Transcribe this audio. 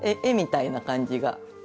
絵みたいな感じが。